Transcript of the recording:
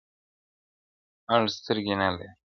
اړ سترگي نه لري.